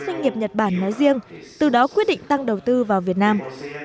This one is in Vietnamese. doanh nghiệp nhật bản nói riêng từ đó quyết định tăng đầu tư vào việt nam